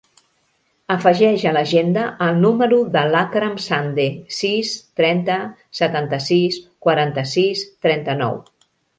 Afegeix a l'agenda el número de l'Akram Sande: sis, trenta, setanta-sis, quaranta-sis, trenta-nou.